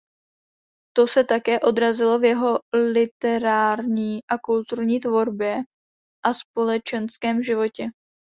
To se také odrazilo v jeho literární a kulturní tvorbě a společenském životě.